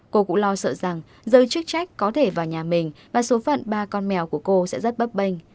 cô cũng lo sợ rằng giới chức trách có thể vào nhà mình và số phận ba con mèo của cô sẽ rất bấp bênh